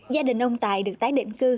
gia đình ông tài được tái định cư